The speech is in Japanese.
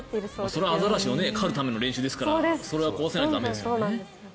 それはアザラシを狩るための練習ですからそれは壊さないと駄目ですよね。